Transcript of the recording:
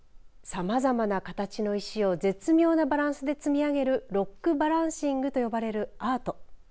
さまざまな形の石を絶妙なバランスで積み上げるロックバランシングと呼ばれるアート。